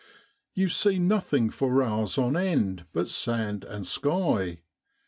You see nothing for hours on end but sand and sky.